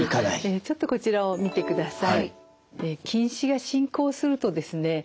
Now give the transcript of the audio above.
ちょっとこちらを見てください。